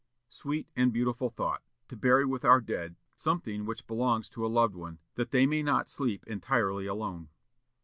Sweet and beautiful thought, to bury with our dead something which belongs to a loved one, that they may not sleep entirely alone!